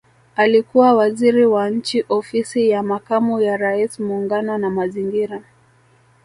Alikuwa Waziri wa Nchi Ofisi ya Makamu wa Rais Muungano na Mazingira